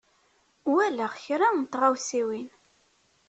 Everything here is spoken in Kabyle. Walaɣ kra n tɣawsiwin.